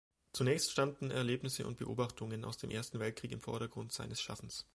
Zunächst standen Erlebnisse und Beobachtungen aus dem Ersten Weltkrieg im Vordergrund seines Schaffens.